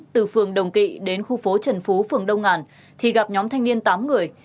từ phường đồng kỵ đến khu phố trần phú phường đông ngàn thì gặp nhóm thanh niên tám người